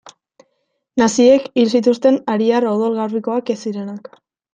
Naziek hil zituzten ariar odol garbikoak ez zirenak.